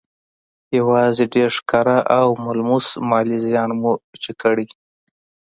يوازې ډېر ښکاره او ملموس مالي زيان مو چې کړی